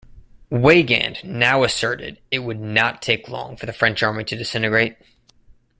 Weygand now asserted it would not take long for the French Army to disintegrate.